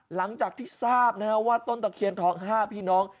หลังจากที่ทราบนะครับว่าตะเคียนทอง๕พี่น้อง